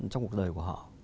trong cuộc đời của họ